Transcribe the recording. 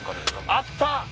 あった！